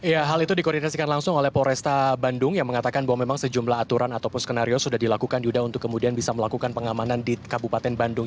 ya hal itu dikoordinasikan langsung oleh polresta bandung yang mengatakan bahwa memang sejumlah aturan ataupun skenario sudah dilakukan yuda untuk kemudian bisa melakukan pengamanan di kabupaten bandung